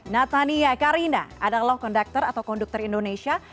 natania karina adalah kondukter atau kondukter indonesia